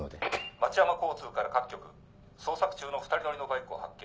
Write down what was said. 町山交通から各局捜索中の２人乗りのバイクを発見。